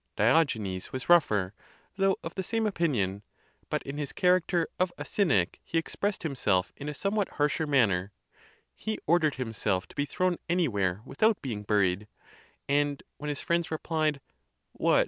Diogenes was rougher, though of the same opinion; but in his character of a Cynic he expressed him self in a somewhat harsher manner; he ordered himself to be thrown anywhere without being buried. And when his friends replied, " What!